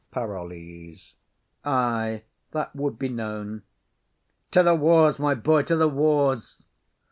PAROLLES. Ay, that would be known. To th' wars, my boy, to th' wars!